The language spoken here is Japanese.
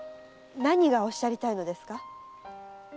何がおっしゃりたいのですか？